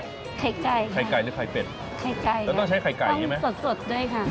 ไข่ไก่ค่ะไข่ไก่หรือไข่เป็ดแล้วต้องใช้ไข่ไก่ใช่ไหมต้องสดด้วยค่ะ